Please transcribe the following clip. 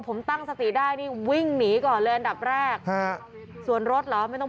หลายคนอยากจะถาม